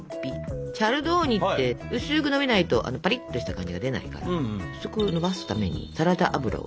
チャルドーニって薄くのびないとあのパリッとした感じが出ないから。薄くのばすためにサラダ油を少し入れます。